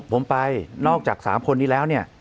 ผมไปนอกจาก๓คนนี้แล้วเนี่ย